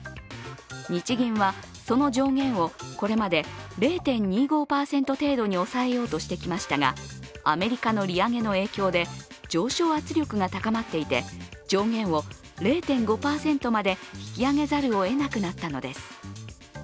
日銀はその上限をこれまで０．２５％程度にまで抑えようとしてきましたがアメリカの利上げの影響で上昇圧力が高まっていて上限を０．５％まで引き上げざるをえなくなったのです。